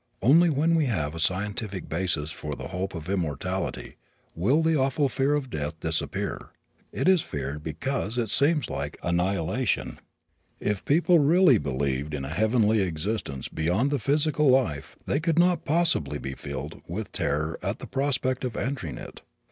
Only when we have a scientific basis for the hope of immortality will the awful fear of death disappear. It is feared because it seems like annihilation. If people really believed in a heavenly existence beyond the physical life they could not possibly be filled with terror at the prospect of entering it.